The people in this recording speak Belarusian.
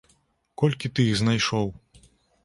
Колькі ты іх знайшоў?